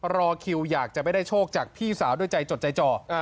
รอคิวอยากจะไม่ได้โชคจากพี่สาวด้วยใจจดใจจ่อ